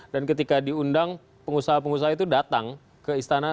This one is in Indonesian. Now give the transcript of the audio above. dan ketika diundang pengusaha pengusaha itu datang ke istana